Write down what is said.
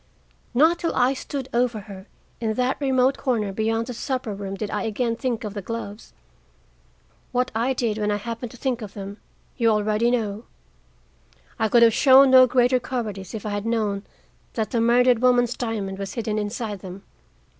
Not till I stood over her in that remote corner beyond the supper room did I again think of the gloves. What I did when I happened to think of them, you already know. I could have shown no greater cowardice if I had known that the murdered woman's diamond was hidden inside them.